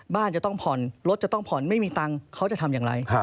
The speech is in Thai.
บ้านจะต้องผ่อนรถจะต้องผ่อนไม่มีตังค์เขาจะทำอย่างไร